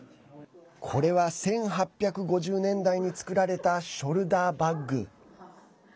これは１８５０年代に作られたショルダーバッグ。